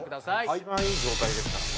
「一番いい状態ですからね」